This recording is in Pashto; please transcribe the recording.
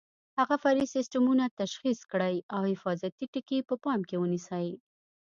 هغه فرعي سیسټمونه تشخیص کړئ او حفاظتي ټکي په پام کې ونیسئ.